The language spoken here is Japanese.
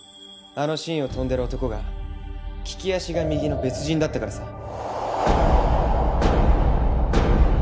あのシーンを跳んでる男が利き足が右の別人だったからさ。